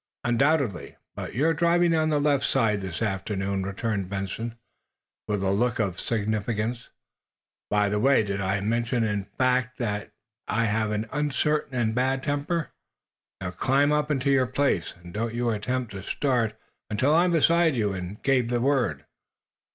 "Undoubtedly; but you're driving on the left side this afternoon," returned Benson, with a look of significance. "By the way, did I mention the fact, yet, that I have an uncertain and bad temper? Now, climb up into your place, and don't you attempt to start until I'm beside you and give the word!"